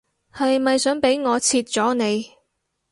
係咪想俾我切咗你